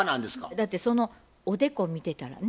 だってそのおでこ見てたらね。